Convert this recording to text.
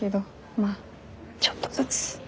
まあちょっとずつ。